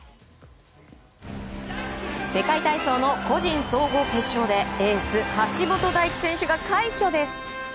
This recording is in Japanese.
世界体操の個人総合決勝でエース橋本大輝選手が快挙です。